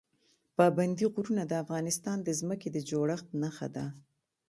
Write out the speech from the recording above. پابندي غرونه د افغانستان د ځمکې د جوړښت نښه ده.